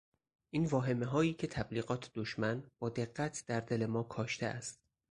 این واهمههایی که تبلیغات دشمن با دقت در دل ما کاشته است